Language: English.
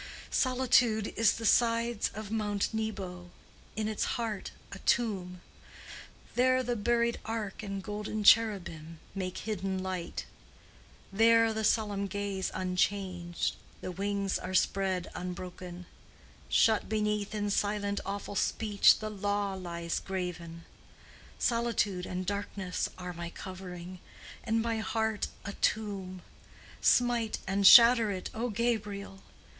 Solitude is on the sides of Mount Nebo, In its heart a tomb: There the buried ark and golden cherubim Make hidden light: There the solemn gaze unchanged, The wings are spread unbroken: Shut beneath in silent awful speech The Law lies graven. Solitude and darkness are my covering, And my heart a tomb; Smite and shatter it, O Gabriel!